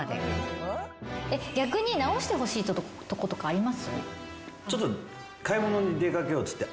逆に直してほしいとことかあります？